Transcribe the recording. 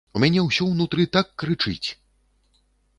У мяне ўсё ўнутры так крычыць!